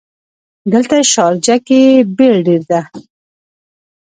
دلته شارجه ګې بیړ ډېر ده.